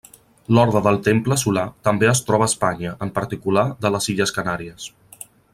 L'Orde del Temple solar també es troba a Espanya, en particular, de les illes Canàries.